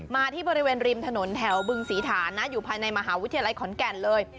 มาที่บริเวณริมถนนแถวบึงศรีฐานนะอยู่ภายในมหาวิทยาลัยขอนแก่นเลย